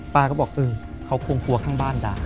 ป้าก็บอกเออเขาคงกลัวข้างบ้านด่า